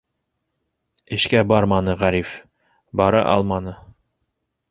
Эшкә барманы Ғариф, бара алманы.